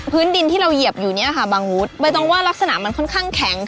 ดินที่เราเหยียบอยู่เนี่ยค่ะบางวุธใบตองว่ารักษณะมันค่อนข้างแข็ง